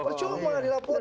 percoba lah dilaporin